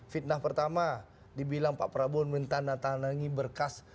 fitnah pertama dibilang pak prabowo mentana tanangi berkas